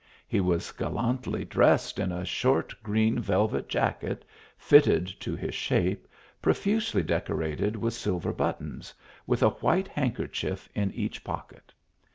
He was gallantly dressed in a short green velvet jacket, fitted to his shape, pro fusely decorated with silver buttons, with a white handkerchief in each pocket.